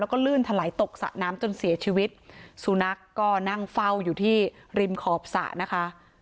แล้วก็ลื่นถลายตกสระน้ำจนเสียชีวิตสุนัขก็นั่งเฝ้าอยู่ที่ริมขอบสระนะคะ